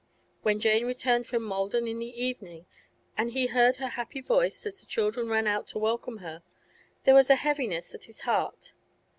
When Jane returned from Maldon in the evening, and he heard her happy voice as the children ran out to welcome her, there was a heaviness at his heart.